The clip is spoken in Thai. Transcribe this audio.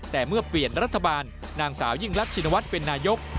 แต่เมื่อเปลี่ยนรัฐบาลนางสาวยิ่งรักชินวัฒน์เป็นนายก